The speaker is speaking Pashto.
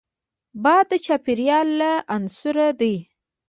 باد د چاپېریال له عناصرو دی